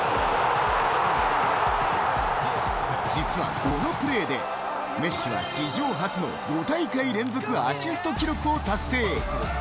実はこのプレーでメッシは史上初の５大会連続アシスト記録を達成。